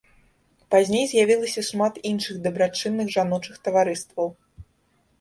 Пазней з'явілася шмат іншых дабрачынных жаночых таварыстваў.